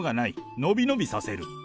伸び伸び指せる。